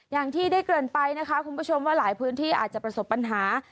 อย่างที่ได้เกริ่นไปนะคะคุณผู้ชมว่าหลายพื้นที่อาจจะประสบปัญหา